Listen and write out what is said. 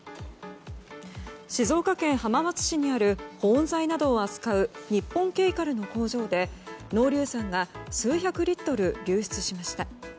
静岡県浜松市にある保温材などを扱う日本ケイカルの工場で濃硫酸が最大で数百リットル流出しました。